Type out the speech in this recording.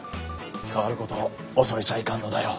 変わることを恐れちゃいかんのだよ。